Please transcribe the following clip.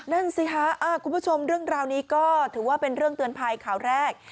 นั่นสิคะคุณผู้ชมเรื่องราวนี้ก็ถือว่าเป็นเรื่องเตือนภัยข่าวแรก